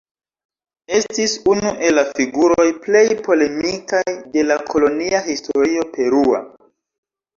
Estis unu el la figuroj plej polemikaj de la kolonia historio perua.